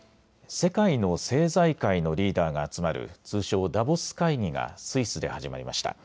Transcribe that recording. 世界の政財界のリーダーが集まる通称、ダボス会議がスイスで始まりました。